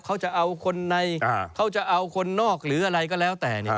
เขาจะเอาคนในเขาจะเอาคนนอกหรืออะไรก็แล้วแต่